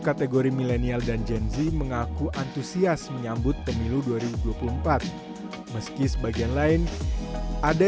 kategori milenial dan gen z mengaku antusias menyambut pemilu dua ribu dua puluh empat meski sebagian lain ada